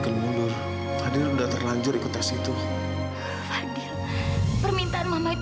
kalau begitu saya permisi